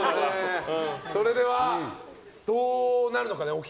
それでは、どうなるのかな。